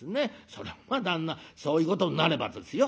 そりゃまあ旦那そういうことになればですよ